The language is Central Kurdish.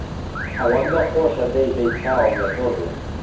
ئەوەندە خۆشە دەی دەی چاوم لە تۆ بێ